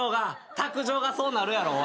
卓上がそうなるやろ。